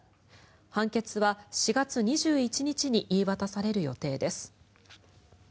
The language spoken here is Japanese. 判決は４月２１日に言い渡される予定です。